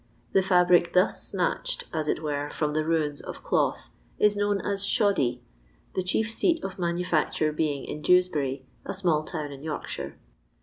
The fabric thus snatched, as it were, from the ruins of cloth, is known as shoddy, the chief seat of manufacture being in Dewsbury, a small town in Yorkshire.